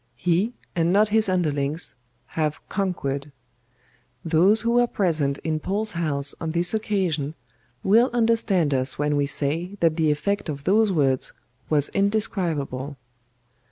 He, and not his underlings, have conquered. Those who were present in Paul's House on this occasion will understand us when we say that the effect of those words was indescribable.